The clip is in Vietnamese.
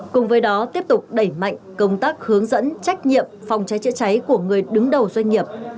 cùng với đó tiếp tục đẩy mạnh công tác hướng dẫn trách nhiệm phòng cháy chữa cháy của người đứng đầu doanh nghiệp